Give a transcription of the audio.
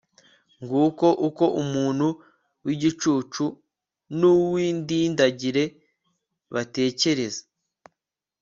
nguko uko umuntu w'igicucu n'uw'indindagire batekereza